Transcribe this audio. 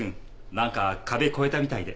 何か壁越えたみたいで。